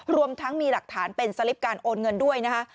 รวมทั้งมีหลักฐานเป็นสลิปการโอนเงินด้วยนะคะ